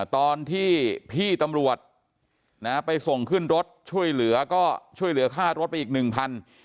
ตอนที่พี่ตำรวจไปส่งขึ้นรถช่วยเหลือค่ารถไปอีก๑๐๐๐บาท